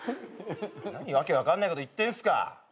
何訳分かんないこと言ってんすか。